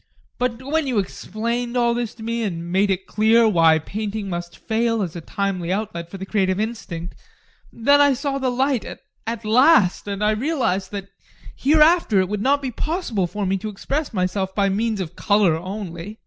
But when you explained all this to me, and made it clear why painting must fail as a timely outlet for the creative instinct, then I saw the light at last and I realised that hereafter it would not be possible for me to express myself by means of colour only.